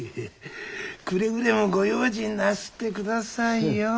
くれぐれもご用心なすってくださいよ。